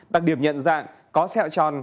đặc điểm nhận dạng có xeo tròn